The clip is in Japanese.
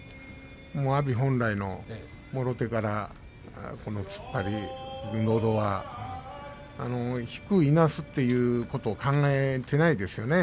阿炎、本来のもろ手から突っ張り、のど輪引く、いなすということを考えていないですよね。